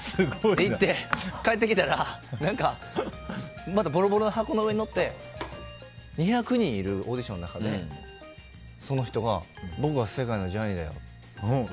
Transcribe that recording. で、行って帰ってきたらまたボロボロの箱の上に乗って２００人いるオーディションの中でその人が僕が世界のジャニーだよ。